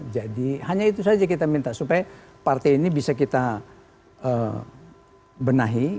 jadi hanya itu saja kita minta supaya partai ini bisa kita benahi